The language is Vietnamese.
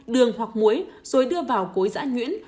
đường hoặc muối rồi đưa vào cối dã nhuyễn